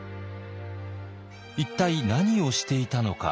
一体何をしていたのか。